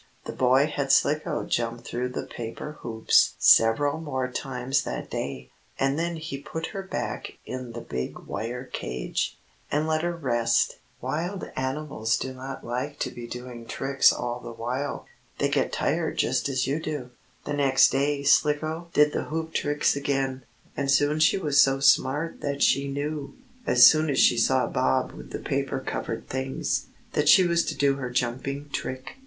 The boy had Slicko jump through the paper hoops several more times that day, and then he put her back in the big wire cage, and let her rest. Wild animals do not like to be doing tricks all the while. They get tired just as you do. The next day Slicko did the hoop tricks again, and soon she was so smart that she knew, as soon as she saw Bob with the paper covered things, that she was to do her jumping trick.